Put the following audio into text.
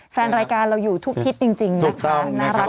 แฟนรายการเราอยู่ทุกทิศจริงนะคะน่ารัก